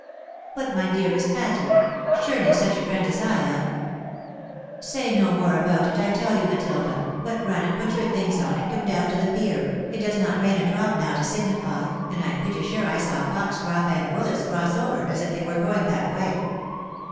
" But, my dearest Patty ! Surely such a friend as I am —"" Say no more about it, I tell you, Matilda, but run and put your things on, and come down to the pier ; it does not rain a drop now to signify, and I am pretty sure I saw Foxcroft and " Willis cross over as if they were going that way."